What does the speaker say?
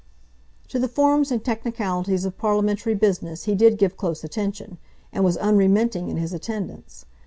To the forms and technicalities of parliamentary business he did give close attention, and was unremitting in his attendance.